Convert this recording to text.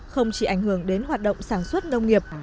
không chỉ ảnh hưởng đến hoạt động sản xuất nông nghiệp